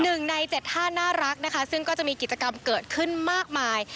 หนึ่งในเจ็ดท่าน่ารักนะคะซึ่งก็จะมีกิจกรรมเกิดขึ้นมากมาย